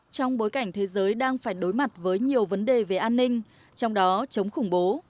trong bối cảnh thế giới đang phải đối mặt với nhiều vấn đề về an ninh trong đó chống khủng bố